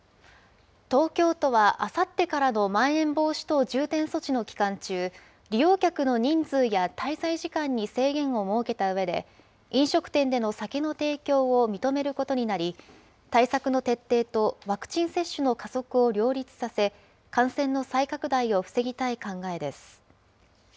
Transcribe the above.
東京都は、あさってからのまん延防止等重点措置の期間中、利用客の人数や滞在時間に制限を設けたうえで、飲食店での酒の提供を認めることになり、対策の徹底とワクチン接種の加速を両立させ、感染の再拡大を防ぎたい考えです。